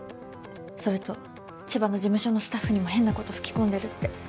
それと千葉の事務所のスタッフにも変なこと吹き込んでるって。